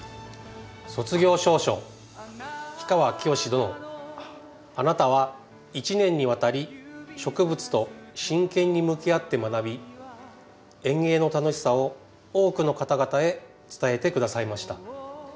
「卒業証書氷川きよし殿あなたは１年にわたり植物と真剣に向き合って学び園芸の楽しさを多くの方々へ伝えてくださいました